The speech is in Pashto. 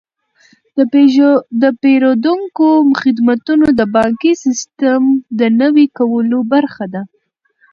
د پیرودونکو خدمتونه د بانکي سیستم د نوي کولو برخه ده.